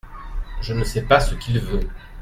Je ne sais pas ce qu’il veut.